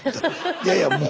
いやいやもう。